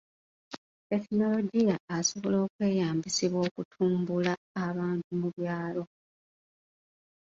Tekinologiya asobola okweyambisibwa okutumbula abantu mu byalo.